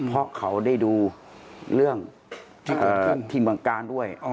เพราะเขาได้ดูเรื่องที่เมืองกาลด้วย